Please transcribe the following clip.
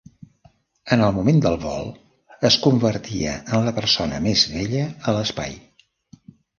En el moment del vol, es convertia en la persona més vella a l'espai.